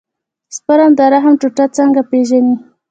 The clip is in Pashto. سپرم د رحم ټوټه څنګه پېژني.